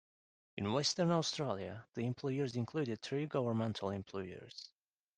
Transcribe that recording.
In Western Australia, the employers included three governmental employers.